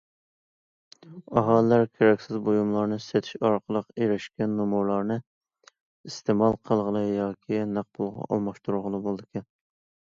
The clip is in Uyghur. ئاھالىلەر كېرەكسىز بۇيۇملارنى سېتىش ئارقىلىق ئېرىشكەن نومۇرلارنى ئىستېمال قىلغىلى ياكى نەق پۇلغا ئالماشتۇرغىلى بولىدىكەن.